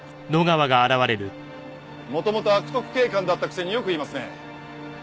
元々悪徳警官だったくせによく言いますね。